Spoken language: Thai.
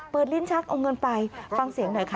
ลิ้นชักเอาเงินไปฟังเสียงหน่อยค่ะ